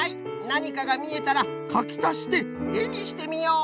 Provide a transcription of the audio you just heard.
なにかがみえたらかきたしてえにしてみよう。